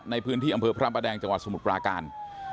ในพื้นที่อำเภอพระประแดงจังหวัดสมุทรปราการ